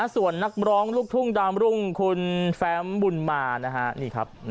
ส่วนนักร้องลูกทุ่งดามรุ่งคุณแฟมบุญมานะฮะ